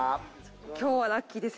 今日はラッキーですよ。